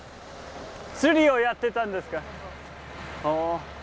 釣りをやってたんですか？